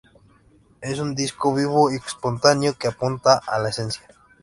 Es un disco vivo y espontáneo que apunta a la esencia.